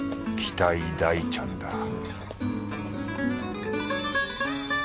期待大ちゃんだ